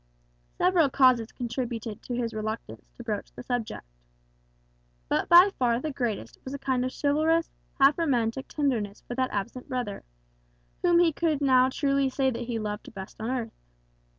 Several causes contributed to his reluctance to broach the subject. But by far the greatest was a kind of chivalrous, half romantic tenderness for that absent brother, whom he could now truly say that he loved best on earth.